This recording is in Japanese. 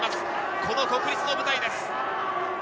この国立の舞台です。